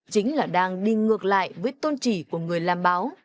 chính là đang đi ngược lại với tôn trị của người làm báo